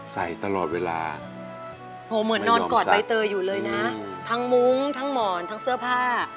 ใส่ตลอดเวลาโหเหมือนนอนกอดใบเตยอยู่เลยนะทั้งมุ้งทั้งหมอนทั้งเสื้อผ้า